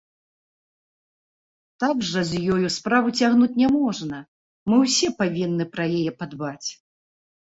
Так жа з ёю справу цягнуць няможна, мы ўсе павінны пра яе падбаць.